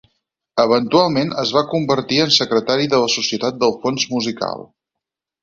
Eventualment es va convertir en secretari de la Societat del Fons Musical.